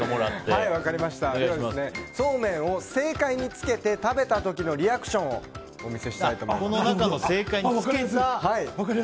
では、そうめんを正解につけて食べた時のリアクションをお見せしたいと思います。